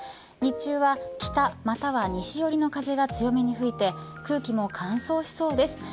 日中は北または西よりの風が強めに吹いて空気も乾燥しそうです。